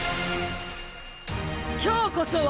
今日こそは！